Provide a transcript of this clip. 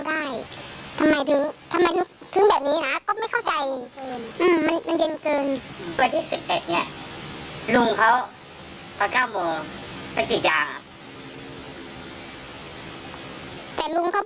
ไปนี้ยางด้วยเขาไม่ไปกับคนย่างพา